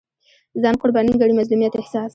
ځان قرباني ګڼي مظلومیت احساس